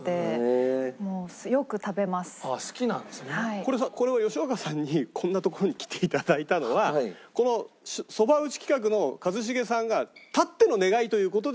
これさこれは吉岡さんにこんな所に来て頂いたのはこのそば打ち企画の一茂さんがたっての願いという事で。